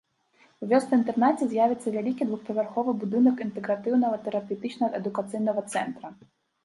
У вёсцы-інтэрнаце з'явіцца вялікі двухпавярховы будынак інтэгратыўнага тэрапеўтычна-адукацыйнага цэнтра.